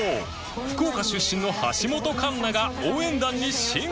福岡出身の橋本環奈が応援団に新加入！